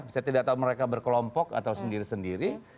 saya tidak tahu mereka berkelompok atau sendiri sendiri